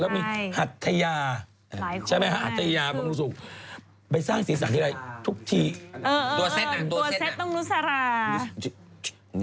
แล้วมีหัทยาหัทยาบริสุทธิ์ไปสร้างศีรษะที่ไรทุกทีตัวเซ็ตต้องรุษรา